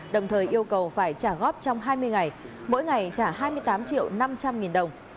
đồng thời yêu cầu phải trả góp trong hai mươi ngày mỗi ngày trả hai mươi tám triệu năm trăm linh nghìn đồng